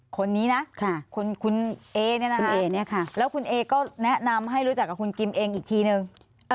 คนนี้นะคุณเอเนี่ยนะแล้วคุณเอก็แนะนำให้รู้จักกับคุณกิมเองอีกทีนึง